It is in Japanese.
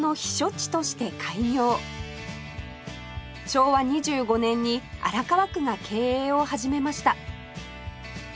昭和２５年に荒川区が経営を始めました